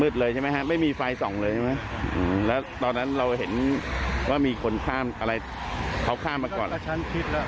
ไม่มีไฟส่องเลยใช่ไหมแล้วตอนนั้นเราเห็นว่ามีคนข้ามอะไรเขาข้ามมาก่อน